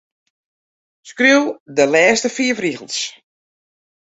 Skriuw de lêste fiif rigels.